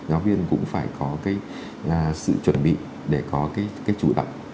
giáo viên cũng phải có cái sự chuẩn bị để có cái chủ động